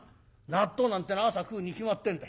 「納豆なんて朝食うに決まってんだ。